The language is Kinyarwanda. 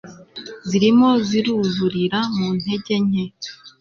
zirimo ziruzurira mu ntege nke